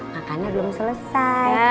makannya belum selesai